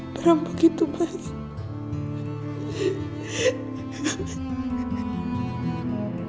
berampok itu pas